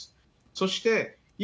そして、今、